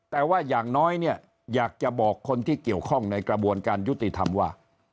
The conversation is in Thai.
แต่ว่าอย่างน้อยเนี่ยอยากจะบอกคนที่เกี่ยวข้องในกระบวนการยุติธรรมว่า